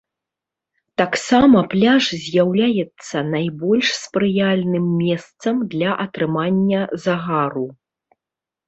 Таксама пляж з'яўляецца найбольш спрыяльным месцам для атрымання загару.